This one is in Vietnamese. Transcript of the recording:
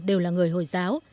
đều là người hồi giáo